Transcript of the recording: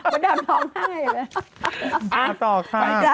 มดดำร้องไห้อีกแล้ว